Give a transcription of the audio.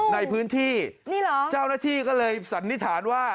ในพื้นที่นี่เหรอเจ้าหน้าที่ก็เลยสันนิษฐานว่า